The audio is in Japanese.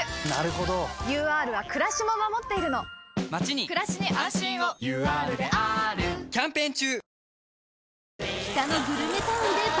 ＵＲはくらしも守っているのまちにくらしに安心をＵＲであーるキャンペーン中！